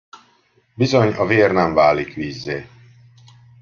Bizony a vér nem válik vízzé.